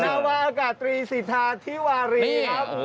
นาวาอากาศตรีสิทธาธิวารีครับ